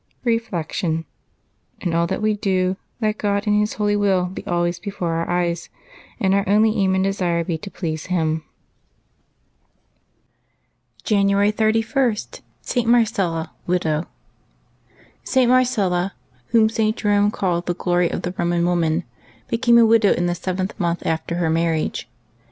Reflection. — In all that we do, let God and His holy will be always before our eyes, and our only aim and desire be to please Him. 54 LIVES OF TEE SAINTS [Febbuaby 1 January 31.— ST. MARCELLA, Widow. [t. Marcella, whom St. Jerome called the glory of the Eoman women, became a widow in the seventh month after her marriage.